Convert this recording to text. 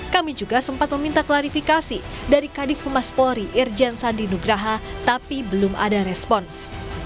kami juga sempat meminta klarifikasi dari kadif humas polri irjen sandi nugraha tapi belum ada respons